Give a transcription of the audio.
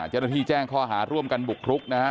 เจ้าหน้าที่แจ้งข้อหาร่วมกันบุกรุกนะฮะ